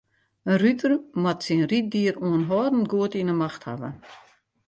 In ruter moat syn ryddier oanhâldend goed yn 'e macht hawwe.